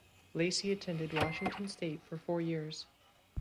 Lacy attended Washington State for four years.